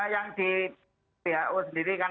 yang di who sendiri kan